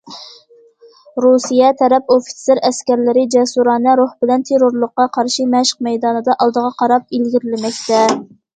رۇسىيە تەرەپ ئوفىتسېر، ئەسكەرلىرى جەسۇرانە روھ بىلەن تېررورلۇققا قارشى مەشىق مەيدانىدا ئالدىغا قاراپ ئىلگىرىلىمەكتە.